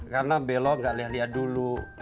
karena belok gak liat liat dulu